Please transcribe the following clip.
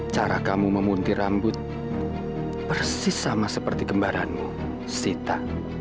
cara kamu memuntir rambut persis sama seperti kembaranmu sita